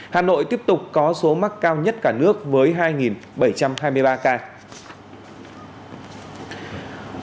hà nội tiếp tục có số mắc cao nhất cả nước với hai bảy trăm hai mươi ba ca